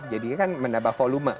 jadi kan menambah volume